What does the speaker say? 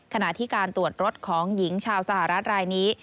ขณะที่การตรวจรถของหญิงชาวสหรัฐรายนี้